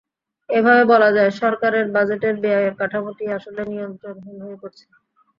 এভাবে বলা যায়, সরকারের বাজেটের ব্যয়ের কাঠামোটি আসলে নিয়ন্ত্রণহীন হয়ে পড়ছে।